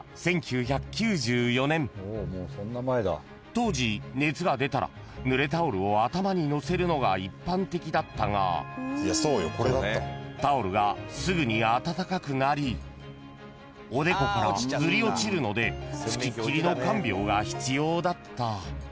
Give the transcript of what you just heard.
［当時熱が出たらぬれタオルを頭にのせるのが一般的だったがタオルがすぐに温かくなりおでこからずり落ちるのでつきっきりの看病が必要だった］